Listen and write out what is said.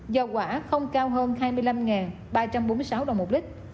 dầu hỏa không cao hơn hai mươi năm ba trăm bốn mươi sáu đồng một lít